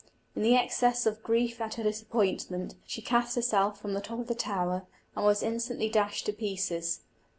In the excess of grief at her disappointment, she cast herself from the top of the tower, and was instantly dashed to pieces.